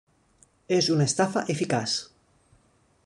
És una estafa eficaç.